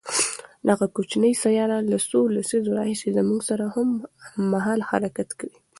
دغه کوچنۍ سیاره له څو لسیزو راهیسې زموږ سره هممهاله حرکت کوي.